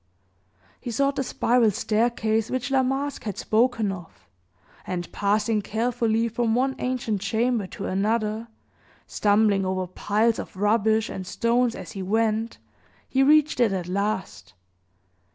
He sought the spiral staircase which La Masque had spoken of, and, passing carefully from one ancient chamber to another, stumbling over piles of rubbish and stones as he went, he reached it at last.